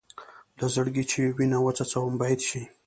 له زړګي چې وینه وڅڅوم بیت شي.